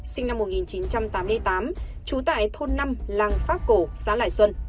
sinh năm một nghìn chín trăm tám mươi tám trú tại thôn năm làng pháp cổ xã lải xuân